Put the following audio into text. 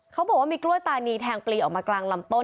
เขาบอกว่ามีกล้วยตานีแทงปลีออกมากลางลำต้น